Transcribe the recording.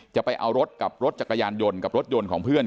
จะเอารถกับรถจักรยานยนต์กับรถยนต์ของเพื่อน